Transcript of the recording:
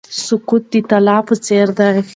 سکوت د طلا په څیر دی.